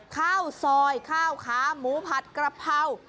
ข้าวซอยข้าวขาหมูผัดกระเพรา